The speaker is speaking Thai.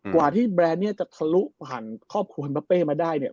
กว่าที่แบรนด์เนี่ยจะทะลุผ่านครอบครัวแฮมมะเป้มาได้เนี่ย